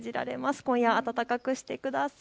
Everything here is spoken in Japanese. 今夜は暖かくしてください。